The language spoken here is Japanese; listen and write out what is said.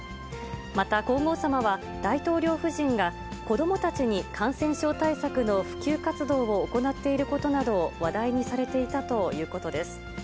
また、皇后さまは大統領夫人が子どもたちに感染症対策の普及活動を行っていることなどを話題にされていたということです。